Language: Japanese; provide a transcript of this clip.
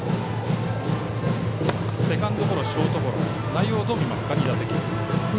セカンドゴロショートゴロ内容はどう見ますか、２打席。